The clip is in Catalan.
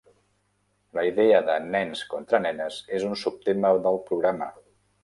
La idea de "nens contra nenes" és un subtema del programa.